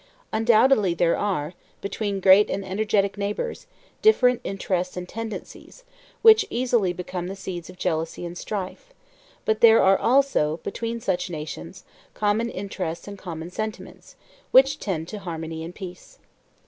Undoubtedly there are, between great and energetic neighbors, different interests and tendencies, which easily become the seeds of jealousy and strife; but there are also, between such nations, common interests and common sentiments, which tend to harmony and peace.